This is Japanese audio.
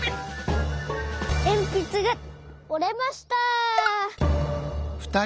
えんぴつがおれました。